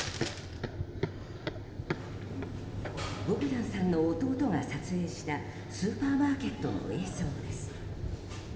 ボグダンさんの弟が撮影したスーパーマーケットの映像です。